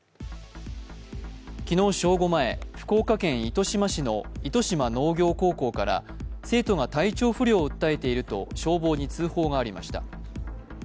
昨日正午前、福岡県糸島市の糸島農業高校から生徒が体調不良を訴えていると消防に通報がありました。